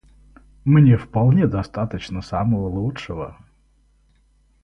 Мне вполне достаточно самого лучшего.